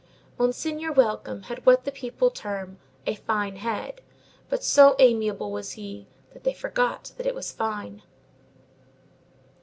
Monseigneur Welcome had what the people term a "fine head," but so amiable was he that they forgot that it was fine.